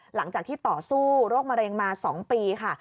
หลังจากที่ต่อสู้โรคมะเร็งมา๒ปีค่ะ